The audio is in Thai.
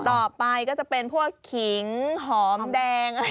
ต่อไปก็จะเป็นพวกขิงหอมแดง